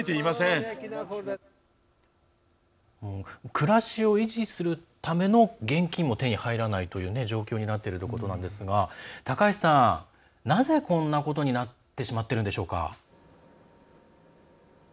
暮らしを維持するための現金も手に入らないという状況になっているということなんですが高橋さん、なぜこんなことになってしまっているんでしょうか。